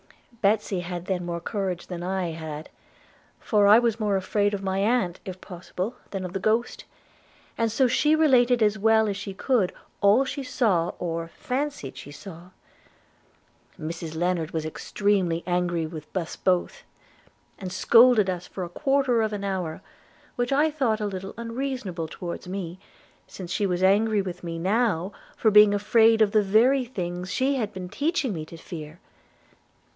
Betsy had then more courage than I had; for I was more afraid of my aunt, if possible, than of the ghost, and so she related as well as she could all she saw, or fancied she saw. Mrs Lennard was extremely angry with us both, and scolded us for a quarter of an hour; which I thought a little unreasonable towards me, since she was angry with me now for being afraid of the very things she had been teaching me to fear.